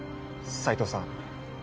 斎藤さん